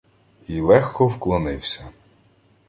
Й легко вклонився.